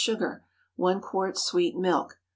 sugar. 1 quart sweet milk.